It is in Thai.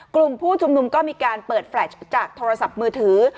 กลุ่มผู้ชุมนุมก็มีการเปิดแฟลชจากโทรศัพท์มือถือ